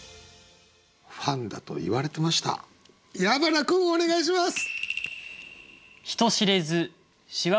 ファンだと言われてました矢花君お願いします！